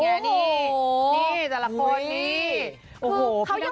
เรื่องต่อสรรคก็การที่